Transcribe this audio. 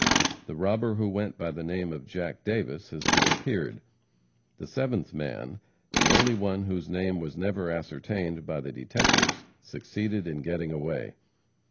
The robber who went by the name of Jack Davis has disappeared. The seventh man the only one whose name was never ascertained by the detectives succeeded in getting away.